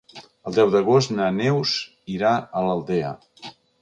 El deu d'agost na Neus irà a l'Aldea.